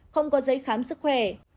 không có giấy khám sức khỏe